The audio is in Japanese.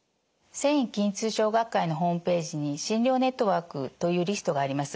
線維筋痛症学会のホームページに診療ネットワークというリストがあります。